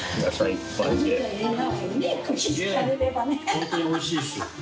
ホントに美味しいです。